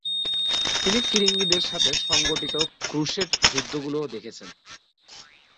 তিনি ফিরিঙ্গীদের সাথে সংঘটিত ক্রুসেড যুদ্ধগুলোও দেখেছেন ।